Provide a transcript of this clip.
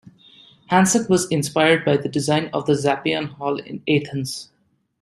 Hansen was inspired by the design of the Zappeion hall in Athens.